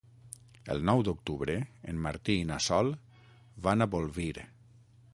El nou d'octubre en Martí i na Sol van a Bolvir.